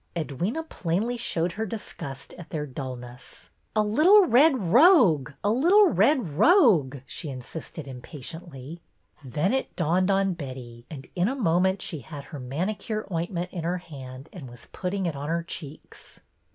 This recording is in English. Edwyna plainly showed her disgust at their dullness. " A little red rogue, a little red rogue," she insisted impatiently. Then it dawned on Betty, and in a moment she had her manicure ointment in her hand and was putting it on her cheeks.